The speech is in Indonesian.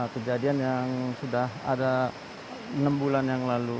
kejadian yang sudah ada enam bulan yang lalu